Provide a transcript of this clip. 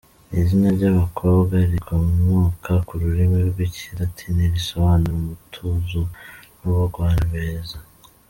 Ni izina ry’abakobwa rikomoka ku rurimi rw’ikilatini risobanura “umutuzo n’ubugwabeza”.